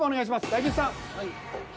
大吉さん。